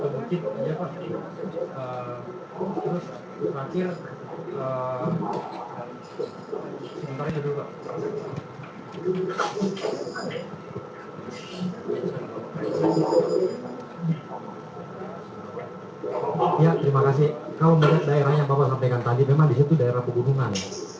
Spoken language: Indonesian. oh ya terima kasih kalau menurut daerahnya bawa sampaikan tadi memang disitu daerah pegunungan